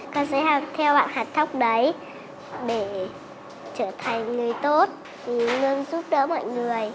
con sẽ theo bạn hạt thóc đấy để trở thành người tốt người luôn giúp đỡ mọi người